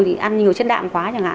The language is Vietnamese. thì ăn nhiều chất đạm quá chẳng hạn